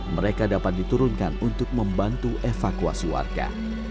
mereka dapat diturunkan untuk membantu evakuasi warga